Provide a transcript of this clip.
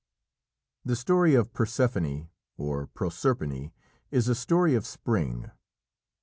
The story of Persephone of Proserpine is a story of spring.